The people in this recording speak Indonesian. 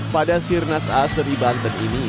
pada sirnas asr di banten ini